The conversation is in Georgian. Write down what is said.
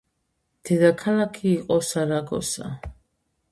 დედაქალაქი იყო სარაგოსა.